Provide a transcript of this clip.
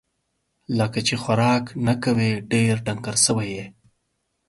لکه چې خوراک نه کوې ، ډېر ډنګر سوی یې